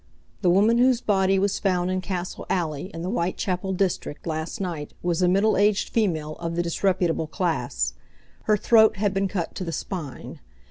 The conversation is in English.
The woman whose body was found in Castle alley, in the Whitechapel district, last night was a middle aged female of the disreputable class. Her throat had been cut to the spine.